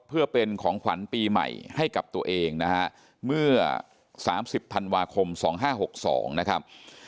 เพื่อเป็นของขวัญปีใหม่ให้กับตัวเองนะฮะเมื่อ๓๐ธันวาคม๒๕๖๒นะครับ